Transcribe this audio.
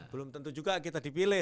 belum tentu juga kita dipilih